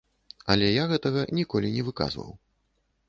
Але я гэтага ніколі не выказваў.